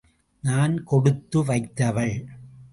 நான் கொடுத்து வைத்தவள்!